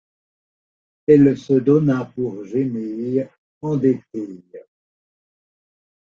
Elle se donna pour gênée, endettée.